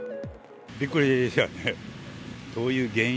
びっくりしたね。